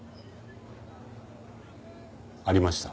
ありました。